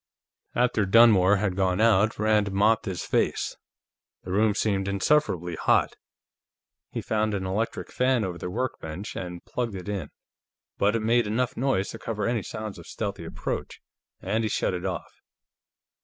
After Dunmore had gone out, Rand mopped his face. The room seemed insufferably hot. He found an electric fan over the workbench and plugged it in, but it made enough noise to cover any sounds of stealthy approach, and he shut it off.